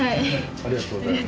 ありがとうございます。